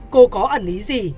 cô có ẩn ý gì